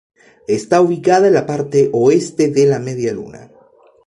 Está ubicada en la parte oeste de la medialuna.